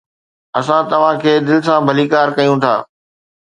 اسان توهان کي دل سان ڀليڪار ڪيون ٿا.